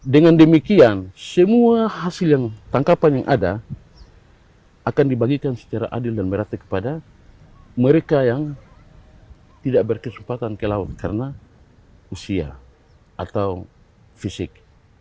dengan demikian semua hasil yang tangkapan yang ada akan dibagikan secara adil dan merata kepada mereka yang tidak berkesempatan ke lawan karena usia atau fisik